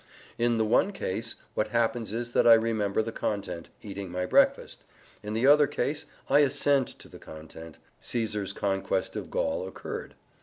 In the one case, what happens is that I remember the content "eating my breakfast"; in the other case, I assent to the content "Caesar's conquest of Gaul occurred."